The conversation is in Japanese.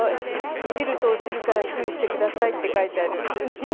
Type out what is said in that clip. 「いじると落ちるから注意してください」って書いてあるりんご。